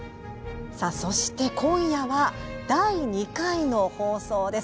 そして今夜は、第２回の放送です。